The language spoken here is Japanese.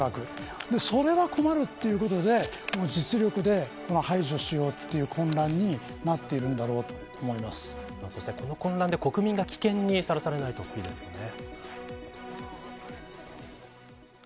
それは困るということで実力で排除しようという混乱になっているんだろうとこの混乱で国民が危険にさらされないといいですよね。